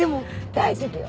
大丈夫よ。